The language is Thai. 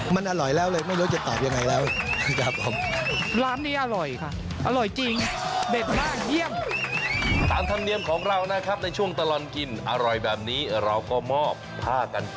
มันอร่อยแล้วเลยไม่รู้จะตอบยังไงแล้ว